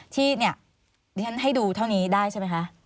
ที่เนี่ยดิฉันให้ดูเท่านี้ได้ใช่ไหมคะ